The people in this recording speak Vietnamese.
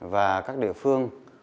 và các địa phương